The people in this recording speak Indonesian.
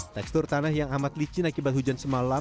tekstur tanah yang amat licin akibat hujan semalam